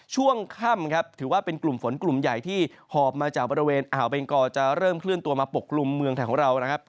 ช่วงค่ำครับถือว่าเป็นกลุ่มฝนกลุ่มใหญ่ที่หอบมาจากบริเวณอ่าวเบงกอจะเริ่มเคลื่อนตัวมาปกกลุ่มเมืองไทยของเรานะครับ